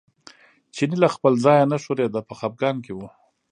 چینی له خپل ځایه نه ښورېده په خپګان کې و.